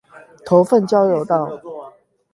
頭份交流道